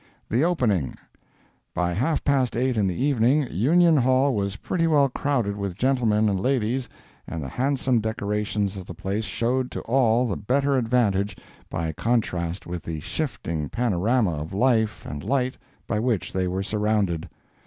THE OPENING.—By half past eight in the evening, Union Hall was pretty well crowded with gentlemen and ladies, and the handsome decorations of the place showed to all the better advantage by contrast with the shifting panorama of life and light by which they were surrounded.